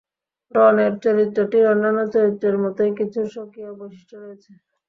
রনের চরিত্রটির অন্যান্য চরিত্রের মতই কিছু স্বকীয় বৈশিষ্ট্য রয়েছে।